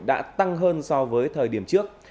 đã tăng hơn so với thời điểm trước